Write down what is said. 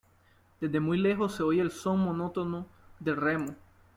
desde muy lejos se oye el son monótono del remo.